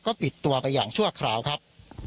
ก็ปิดตัวไปอย่างชั่วคราวครับ